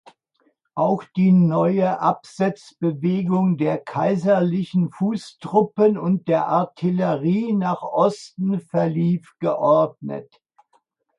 Auch die neue Absetzbewegung der kaiserlichen Fußtruppen und der Artillerie nach Osten verlief geordnet.